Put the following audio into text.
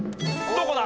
どこだ？